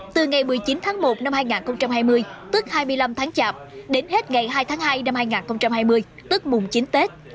từ ngày một mươi chín tháng một năm hai nghìn hai mươi tức hai mươi năm tháng chạp đến hết ngày hai tháng hai năm hai nghìn hai mươi tức mùng chín tết